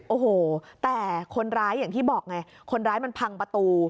โอ้โหแต่คนร้ายอย่างที่บอกไงคนร้ายมันพังประตู